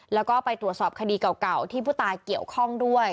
แล้วก็ไปตรวจสอบคดีเก่าที่ผู้ตายเกี่ยวข้องด้วย